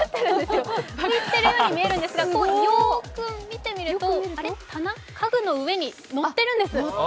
浮いているように見えるんですが、よく見ると家具の上に乗ってるんです。